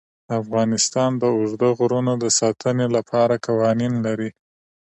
افغانستان د اوږده غرونه د ساتنې لپاره قوانین لري.